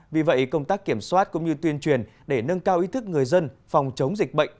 vì vậy công tác kiểm soát cũng như tuyên truyền để nâng cao ý thức người dân phòng chống dịch bệnh